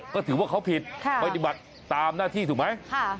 ก็ถือว่าเขาผิดปฏิบัติตามหน้าที่ถูกไหม